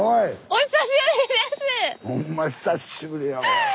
お久しぶりです。